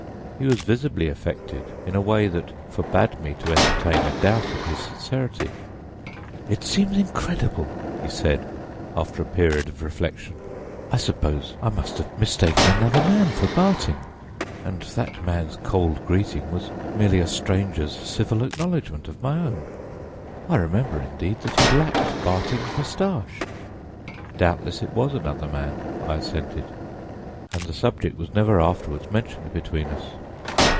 He was visibly affected in a way that forbade me to entertain a doubt of his sincerity. "'It seems incredible,' he said, after a period of reflection. 'I suppose I must have mistaken another man for Barting, and that man's cold greeting was merely a stranger's civil acknowledgment of my own. I remember, indeed, that he lacked Barting's mustache.' "'Doubtless it was another man,' I assented; and the subject was never afterward mentioned between us.